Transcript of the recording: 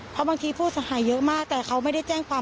เพราะบางทีผู้เสียหายเยอะมากแต่เขาไม่ได้แจ้งความ